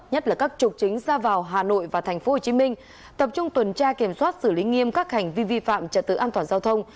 nhất là các trục chính ra vào hà nội và tp hcm tập trung tuần tra kiểm soát xử lý nghiêm các hành vi vi phạm trật tự an toàn giao thông